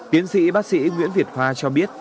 tiến sĩ bác sĩ nguyễn việt khoa cho biết